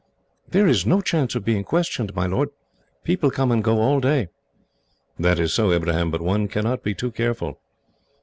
"There is no chance of being questioned, my lord. People come and go all day." "That is so, Ibrahim, but one cannot be too careful."